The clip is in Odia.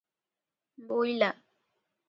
ବୋଇଲା--